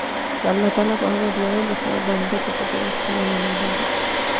د الله تعالی په حمد ويلو سره بنده ته په جنت کي وَنه ناليږي